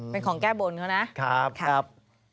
เป็นของแก้บบนเขานะครับนะครับนะครับ